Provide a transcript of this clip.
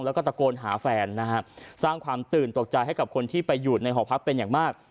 แล้วก็ตะโกนหาแฟนนะฮะสร้างความตื่นตกใจให้กับคนที่ไปอยู่ในหอพักเป็นอย่างมาก